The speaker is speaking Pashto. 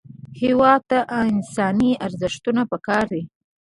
هېواد ته انساني ارزښتونه پکار دي